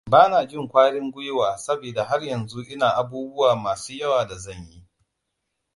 Bana jin ƙwarin gwiwa sabida har yanzu ina abubuwa masu yawa da zan yi.